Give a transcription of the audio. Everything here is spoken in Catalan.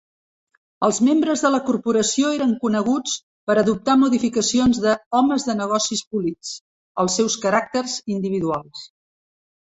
Els membres de la corporació eren coneguts per adoptar modificacions de "homes de negocis polits" als seus caràcters individuals.